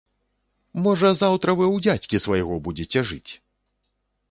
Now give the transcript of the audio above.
Можа, заўтра вы ў дзядзькі свайго будзеце жыць!